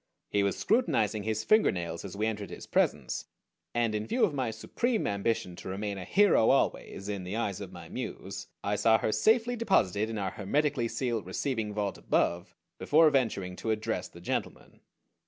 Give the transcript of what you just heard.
He was scrutinizing his fingernails as we entered his presence, and in view of my supreme ambition to remain a hero always in the eyes of my Muse I saw her safely deposited in our hermetically sealed receiving vault above before venturing to address the gentleman.